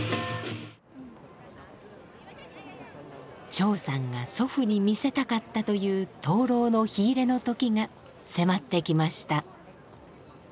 張さんが祖父に見せたかったという灯籠の火入れの時が迫ってきました。